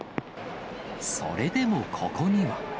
それでもここには。